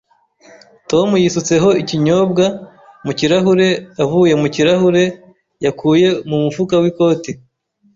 Tom yisutseho ikinyobwa mu kirahure avuye mu kirahure yakuye mu mufuka w'ikoti